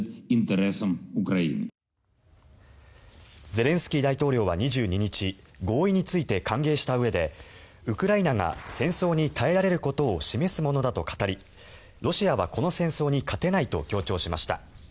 ゼレンスキー大統領は２２日合意について歓迎したうえでウクライナが戦争に耐えられることを示すものだと語りロシアはこの戦争に勝てないと強調しました。